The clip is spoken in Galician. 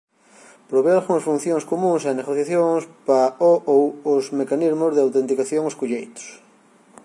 Prové algunhas funcións comúns e negociacións para o ou os mecanismos de autenticación escolleitos.